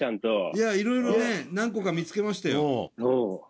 いろいろね何個か見つけましたよ。